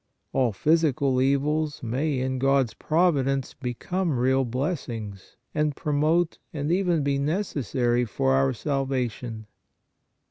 All physical evils may, in God s providence, become real blessings and promote and even be necessary for our salvation.